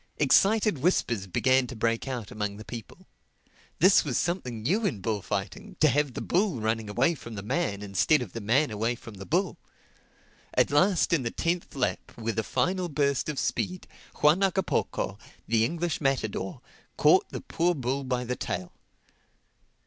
Excited whispers began to break out among the people. This was something new in bullfighting, to have the bull running away from the man, instead of the man away from the bull. At last in the tenth lap, with a final burst of speed, Juan Hagapoco, the English matador, caught the poor bull by the tail.